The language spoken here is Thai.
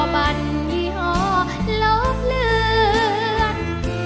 บันยี่ห้อลบเลือน